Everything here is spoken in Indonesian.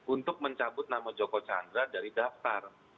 untuk mencabut nama joko chandra dari daftar